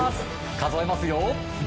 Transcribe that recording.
数えますよ。